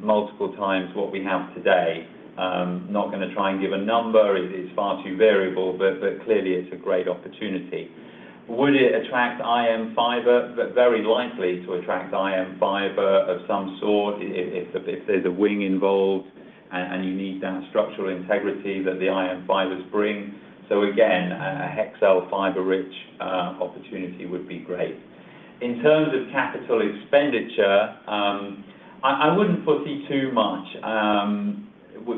multiple times what we have today. Not gonna try and give a number. It is far too variable, clearly it's a great opportunity. Would it attract IM fiber? Very likely to attract IM fiber of some sort if there's a wing involved and you need that structural integrity that the IM fibers bring. Again, a Hexcel fiber-rich opportunity would be great. In terms of capital expenditure, I wouldn't foresee too much.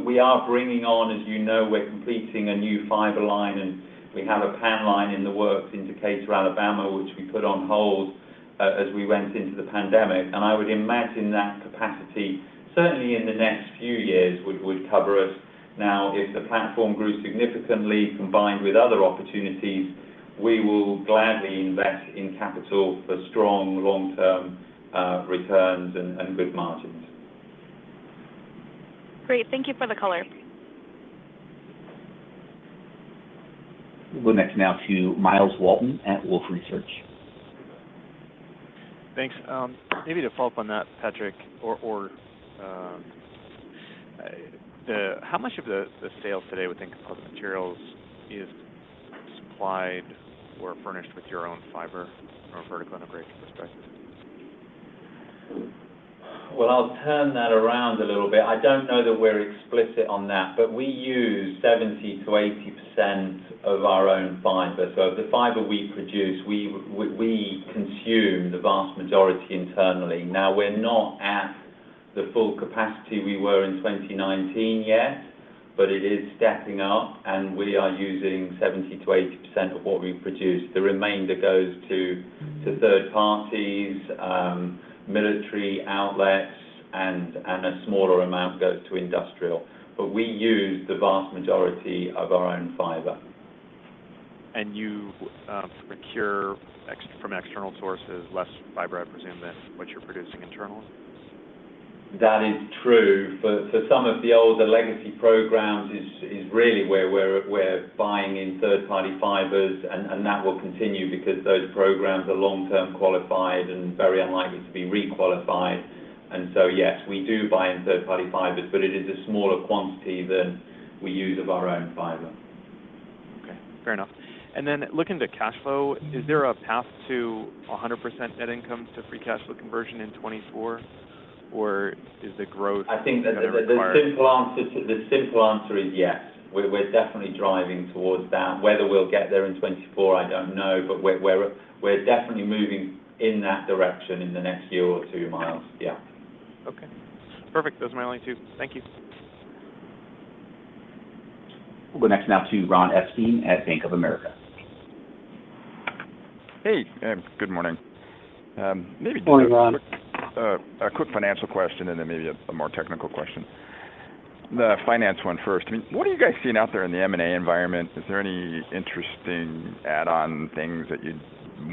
We are bringing on, as you know, we're completing a new fiber line, and we have a PAN line in the works in Decatur, Alabama, which we put on hold as we went into the pandemic, and I would imagine that capacity, certainly in the next few years, would cover us. Now, if the platform grew significantly, combined with other opportunities, we will gladly invest in capital for strong long-term returns and good margins. Great. Thank you for the color. We'll go next now to Myles Walton at Wolfe Research. Thanks. Maybe to follow up on that, Patrick, or how much of the sales today within composite materials is supplied or furnished with your own fiber or vertical integration perspective? I'll turn that around a little bit. I don't know that we're explicit on that, but we use 70%-80% of our own fiber. The fiber we produce, we consume the vast majority internally. We're not at the full capacity we were in 2019 yet, but it is stepping up, and we are using 70%-80% of what we produce. The remainder goes to third parties, military outlets, and a smaller amount goes to industrial. We use the vast majority of our own fiber. You, procure from external sources less fiber, I presume, than what you're producing internally? That is true. For some of the older legacy programs, is really where we're buying in third-party fibers, and that will continue because those programs are long-term qualified and very unlikely to be re-qualified. Yes, we do buy in third-party fibers, but it is a smaller quantity than we use of our own fiber. Okay. Fair enough. Looking to cash flow, is there a path to 100% net income to free cash flow conversion in 2024, or is the growth going to require. The simple answer is yes. We're definitely driving towards that. Whether we'll get there in 2024, I don't know, but we're definitely moving in that direction in the next year or 2, Myles. Yeah. Okay. Perfect. Those are my only two. Thank you. We'll go next now to Ron Epstein at Bank of America. Hey, good morning. Good morning, Ron. A quick financial question and then maybe a more technical question. The finance one first. I mean, what are you guys seeing out there in the M&A environment? Is there any interesting add-on things that you'd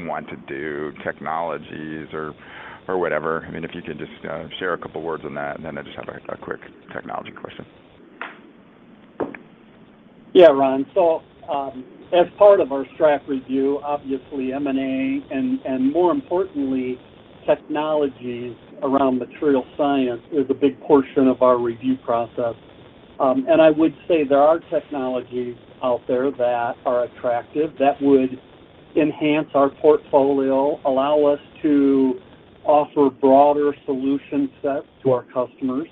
want to do, technologies or whatever? I mean, if you could just share a couple words on that, and then I just have a quick technology question. Yeah, Ron. As part of our STRAT review, obviously M&A and more importantly, technologies around material science is a big portion of our review process. I would say there are technologies out there that are attractive, that would enhance our portfolio, allow us to offer broader solution sets to our customers,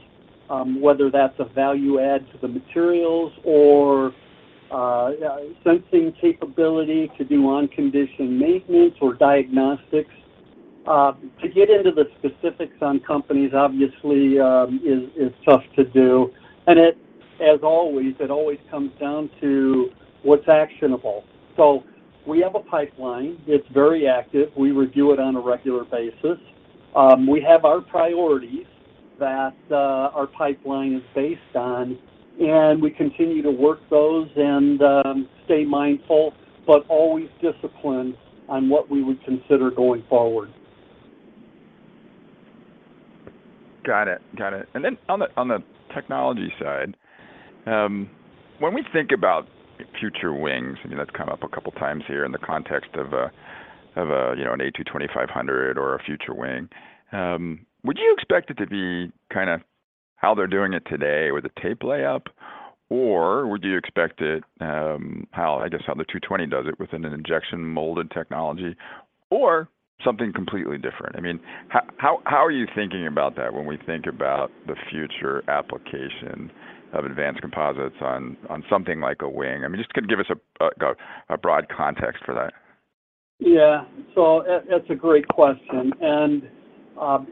whether that's a value add to the materials or sensing capability to do on-condition maintenance or diagnostics. To get into the specifics on companies, obviously, is tough to do, and as always, it always comes down to what's actionable. We have a pipeline. It's very active. We review it on a regular basis. We have our priorities that our pipeline is based on, and we continue to work those and stay mindful, but always disciplined on what we would consider going forward. Got it. The technology side, when we think about future wings, I mean, that's come up a couple of times here in the context of a, you know, an A220-500 or a future wing, would you expect it to be kind of how they're doing it today with a tape layup? Would you expect it, how, I guess, how the A220 does it, with an injection molded technology or something completely different? I mean, how are you thinking about that when we think about the future application of advanced composites on something like a wing? I mean, just give us a broad context for that. That's a great question, and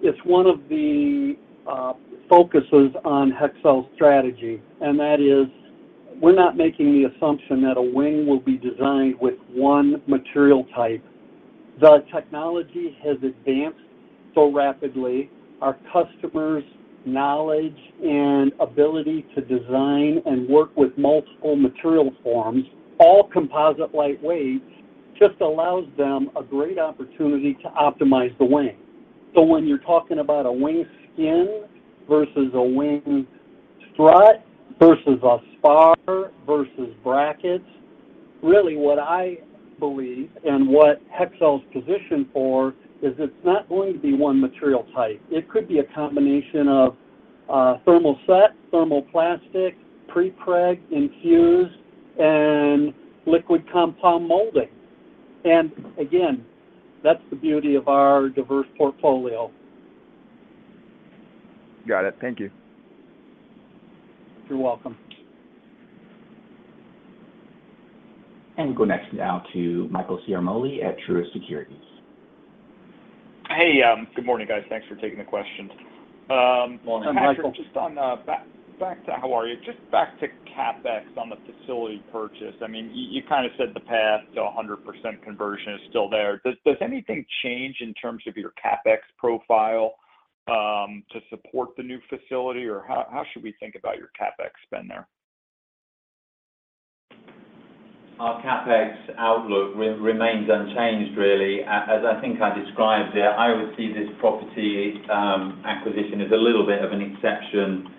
it's one of the focuses on Hexcel's strategy, and that is we're not making the assumption that a wing will be designed with one material type. The technology has advanced so rapidly, our customers' knowledge and ability to design and work with multiple material forms, all composite lightweights, just allows them a great opportunity to optimize the wing. When you're talking about a wing skin versus a wing strut versus a spar versus brackets, really what I believe and what Hexcel's positioned for is it's not going to be one material type. It could be a combination of thermoset, thermoplastic, prepreg, infused, and liquid composite molding. Again, that's the beauty of our diverse portfolio. Got it. Thank you. You're welcome. Go next now to Michael Ciarmoli at Truist Securities. Hey, good morning, guys. Thanks for taking the questions.... Patrick, just on, Just back to CapEx on the facility purchase. I mean, you kind of said the path to 100% conversion is still there. Does anything change in terms of your CapEx profile, to support the new facility? Or how should we think about your CapEx spend there? Our CapEx outlook remains unchanged, really. As I think I described it, I would see this property acquisition as a little bit of an exception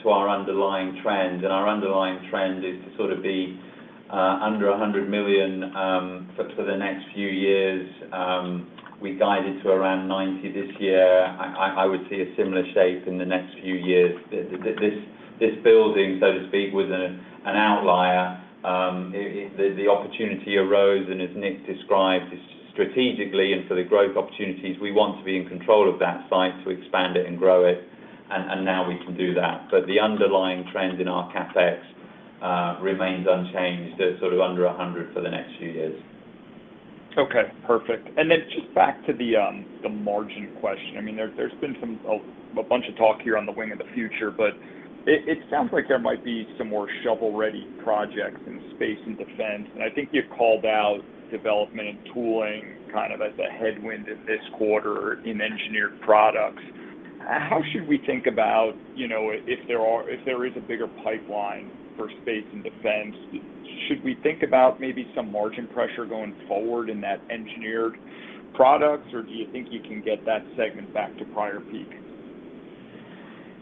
to our underlying trend. Our underlying trend is to sort of be under $100 million for the next few years. We guided to around $90 this year. I would see a similar shape in the next few years. This building, so to speak, was an outlier. The opportunity arose, and as Nick described, strategically and for the growth opportunities, we want to be in control of that site to expand it and grow it, and now we can do that. The underlying trend in our CapEx remains unchanged. They're sort of under $100 for the next few years. Okay, perfect. Just back to the margin question. I mean, there's been a bunch of talk here on the wing of the future, but it sounds like there might be some more shovel-ready projects in space and defense. I think you've called out development and tooling kind of as a headwind in this quarter in Engineered Products. How should we think about, you know, if there is a bigger pipeline for space and defense, should we think about maybe some margin pressure going forward in that Engineered Products, or do you think you can get that segment back to prior peak?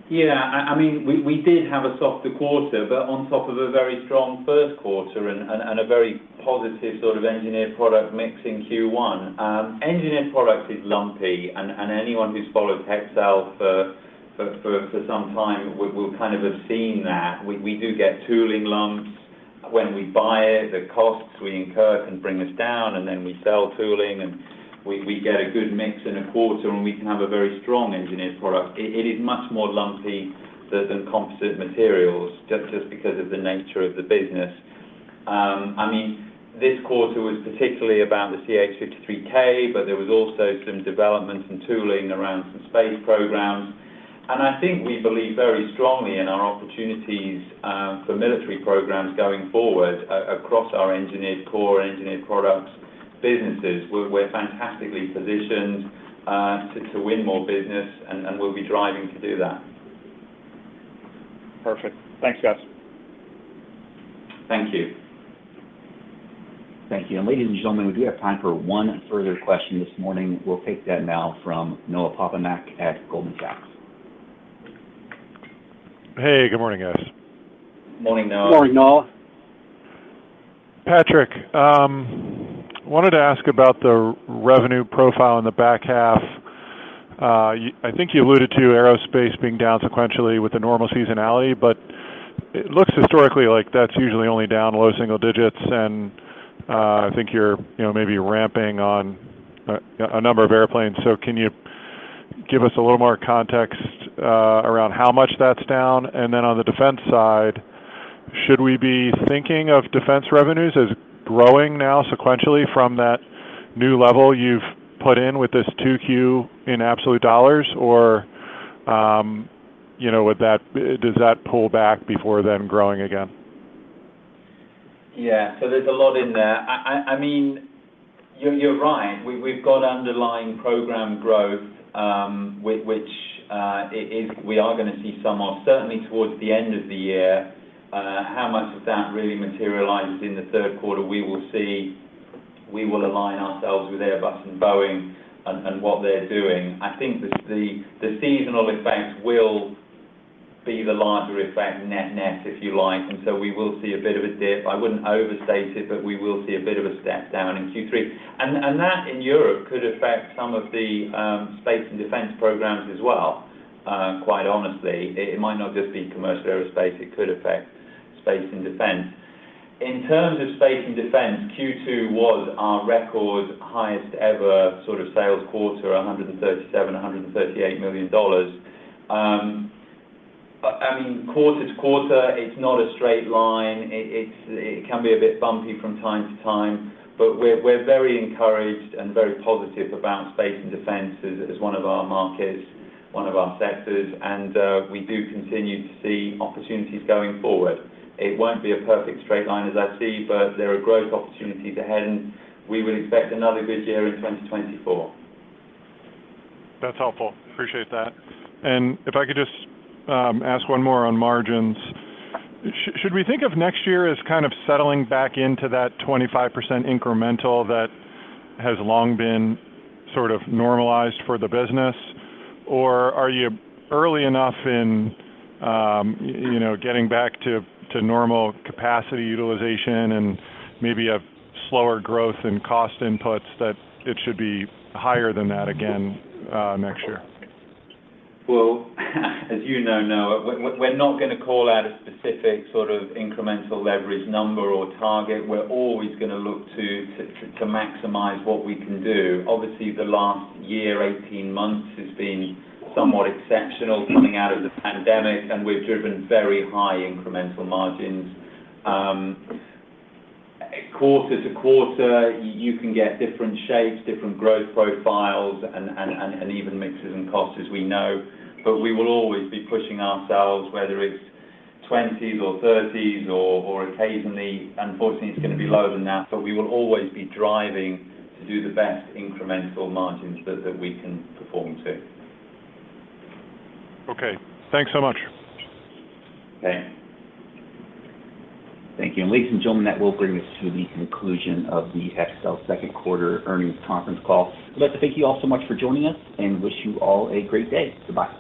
I mean, we did have a softer quarter, but on top of a very strong first quarter and a very positive sort of Engineered Products mix in Q1. Engineered Products is lumpy, and anyone who's followed Hexcel for some time would kind of have seen that. We do get tooling lumps when we buy it, the costs we incur can bring us down, and then we sell tooling, and we get a good mix in a quarter, and we can have a very strong Engineered Products. It is much more lumpy than Composite Materials, just because of the nature of the business. I mean, this quarter was particularly about the CH-53K, but there was also some development and tooling around some space programs. I think we believe very strongly in our opportunities for military programs going forward across our engineered core, Engineered Products businesses. We're fantastically positioned to win more business, and we'll be driving to do that. Perfect. Thanks, guys. Thank you. Thank you. Ladies and gentlemen, we do have time for one further question this morning. We'll take that now from Noah Poponak at Goldman Sachs. Hey, good morning, guys. Morning, Noah. Morning, Noah. Patrick, wanted to ask about the revenue profile in the back half. I think you alluded to aerospace being down sequentially with the normal seasonality, but it looks historically like that's usually only down low single digits, I think you're, you know, maybe ramping on a number of airplanes. Can you give us a little more context around how much that's down? On the defense side, should we be thinking of defense revenues as growing now sequentially from that new level you've put in with this Q2 in absolute dollars? Or, you know, would that pull back before then growing again? Yeah. There's a lot in there. I mean, you're right. We've got underlying program growth, which we are gonna see some of, certainly towards the end of the year. How much of that really materializes in the third quarter, we will see. We will align ourselves with Airbus and Boeing and what they're doing. I think the seasonal effect will be the larger effect, net, if you like, we will see a bit of a dip. I wouldn't overstate it, we will see a bit of a step down in Q3. That in Europe could affect some of the space and defense programs as well, quite honestly. It might not just be commercial aerospace, it could affect space and defense. In terms of space and defense, Q2 was our record highest ever sort of sales quarter, $137 million-$138 million. I mean, quarter to quarter, it's not a straight line. It can be a bit bumpy from time to time, but we're very encouraged and very positive about space and defense as one of our markets, one of our sectors, and we do continue to see opportunities going forward. It won't be a perfect straight line, as I see, but there are growth opportunities ahead, and we would expect another good year in 2024. That's helpful. Appreciate that. If I could just ask one more on margins. Should we think of next year as kind of settling back into that 25% incremental that has long been sort of normalized for the business? Or are you early enough in, you know, getting back to normal capacity utilization and maybe a slower growth in cost inputs that it should be higher than that again, next year? Well, as you know, Noah, we're not going to call out a specific sort of incremental leverage number or target. We're always going to look to maximize what we can do. Obviously, the last year, 18 months, has been somewhat exceptional coming out of the pandemic, and we've driven very high incremental margins. Quarter to quarter, you can get different shapes, different growth profiles, and even mixes and costs, as we know. We will always be pushing ourselves, whether it's twenties or thirties or occasionally, unfortunately, it's going to be lower than that, but we will always be driving to do the best incremental margins that we can perform to. Okay, thanks so much. Okay. Thank you. Ladies and gentlemen, that will bring us to the conclusion of the Hexcel second quarter earnings conference call. I'd like to thank you all so much for joining us and wish you all a great day. Goodbye.